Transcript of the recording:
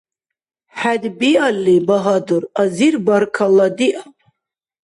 ХӀед биалли, багьадур, азир баркалла диаб!